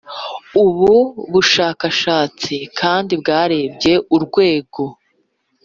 Ubu bushakashatsi kandi bwarebye urwego